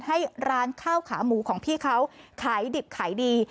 ให้ร้านข้าวขาหมูของพี่เขาขายดิบขายดี